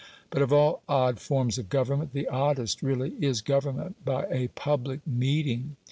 But of all odd forms of government, the oddest really is government by a PUBLIC MEETING.